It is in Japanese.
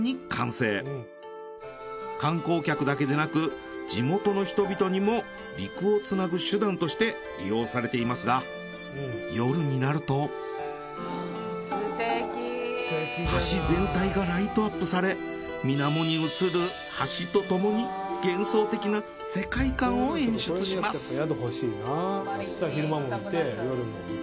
観光客だけでなく地元の人々にも陸をつなぐ手段として利用されていますが夜になると橋全体がライトアップされ水面に映る橋とともに幻想的な世界観を演出します。